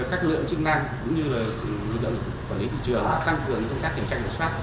các lượng chức năng cũng như lượng quản lý thị trường tăng cường trong các kiểm tra kiểm soát